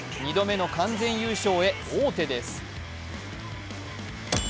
２度目の完全優勝へ王手です。